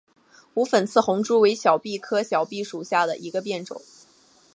无粉刺红珠为小檗科小檗属下的一个变种。